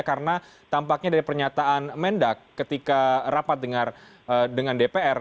karena tampaknya dari pernyataan mendak ketika rapat dengan dpr